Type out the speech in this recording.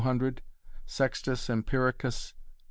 200? Sextus Empiricus